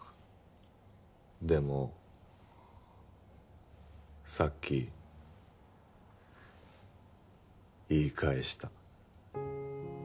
でもさっき言い返した。